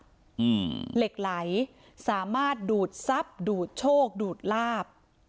อืมเหล็กไหลสามารถดูดทรัพย์ดูดโชคดูดลาบ